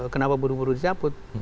kenapa buru buru dicaput